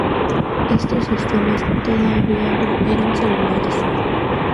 Estos sistemas todavía no eran celulares.